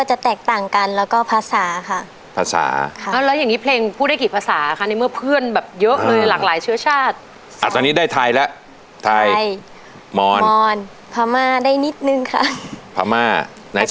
จะเป็นไฟล์เปิดฝึกในยกที่๕หมูราคา๖๐๐๐๐บาท